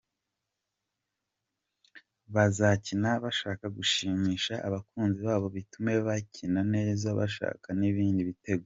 Bazakina bashaka gushimisha abakunzi babo bitume bakina neza bashaka n’ibindi bitego.